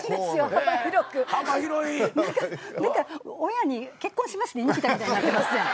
親に「結婚します」って言いに来たみたいになってますやん。